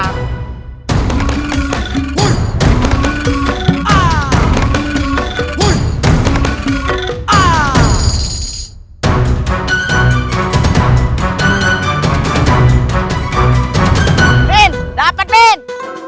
min dapat min